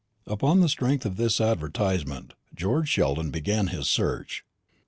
Upon the strength of this advertisement George Sheldon began his search.